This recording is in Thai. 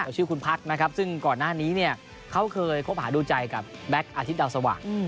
ชื่อคุณพักนะครับซึ่งก่อนหน้านี้เนี่ยเขาเคยคบหาดูใจกับแบ็คอาทิตย์ดาวสว่าง